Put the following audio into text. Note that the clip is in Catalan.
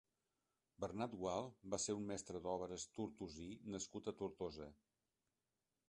Bernat Gual va ser un meste d'obres tortosí nascut a Tortosa.